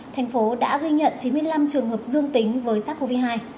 thành phố đã ghi nhận chín mươi năm trường hợp dương tính với sars cov hai